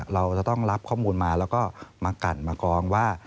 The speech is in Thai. เราจะต้องรับข้อมูลมาแล้วก็มากันมากองว่า